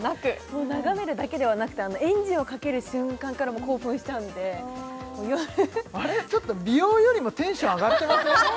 もう眺めるだけではなくてエンジンをかける瞬間からもう興奮しちゃうんで夜あれっちょっと美容よりもテンション上がってません？